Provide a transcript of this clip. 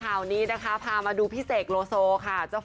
ข่าวนี้น้ครับพามาดูพี่เสกโรโซค่ะเจ้าพ่อ